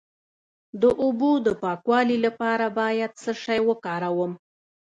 د اوبو د پاکوالي لپاره باید څه شی وکاروم؟